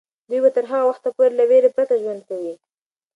دوی به تر هغه وخته پورې له ویرې پرته ژوند کوي.